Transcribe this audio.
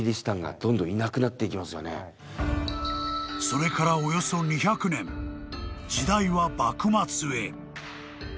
［それからおよそ２００年時代は幕末へ］